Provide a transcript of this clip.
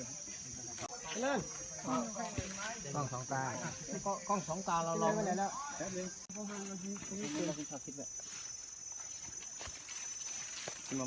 และที่สุดท้ายและที่สุดท้าย